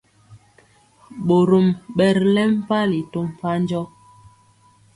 Ɓorom ɓɛ ri lɛŋ mpali to mpanjɔ.